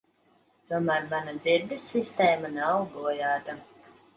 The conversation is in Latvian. Tomēr mana dzirdes sistēma nav bojāta.